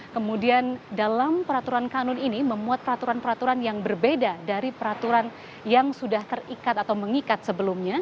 kemudian dalam peraturan kanun ini memuat peraturan peraturan yang berbeda dari peraturan yang sudah terikat atau mengikat sebelumnya